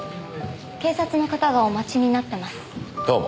警察の方がお待ちになってます。